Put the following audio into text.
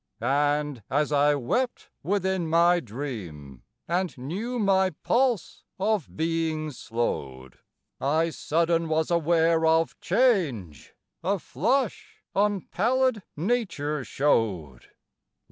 And as I wept within my dream And knew my pulse of being slowed, I sudden was aware of change A flush on pallid nature showed!